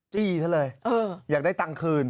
จี้เท่าไรอยากได้ตังค์คืน